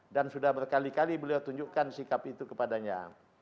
dan sudah berkali kali beliau tunjukkan sikap itu kepadanya